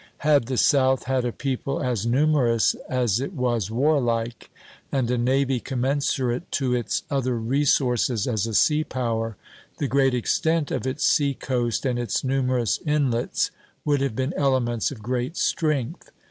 Had the South had a people as numerous as it was warlike, and a navy commensurate to its other resources as a sea power, the great extent of its sea coast and its numerous inlets would have been elements of great strength.